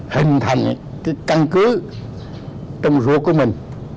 hình thành cái căn cứ trong ruột của mình